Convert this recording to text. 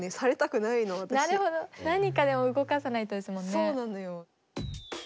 そうなのよ。